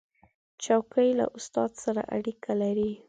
چوکۍ له استاد سره اړیکه لري.